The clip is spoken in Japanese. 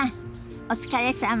お疲れさま。